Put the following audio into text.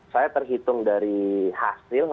saya terhitung dari hasil